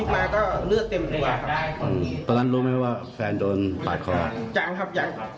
มีคำบัติแขนนะครับ